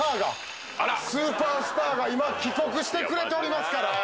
スーパースターが今帰国してくれておりますから。